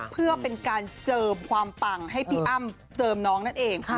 เพื่อเป็นการเจิมความปังให้พี่อ้ำเจิมน้องนั่นเอง